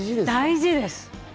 大事です。